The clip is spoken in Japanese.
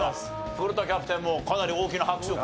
古田キャプテンもかなり大きな拍手を。